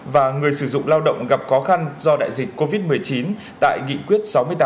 và người sử dụng lao động gặp khó khăn do đại dịch covid một mươi chín tại nghị quyết sáu mươi tám